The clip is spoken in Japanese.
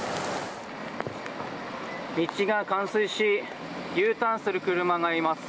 道が冠水しＵターンする車がいます。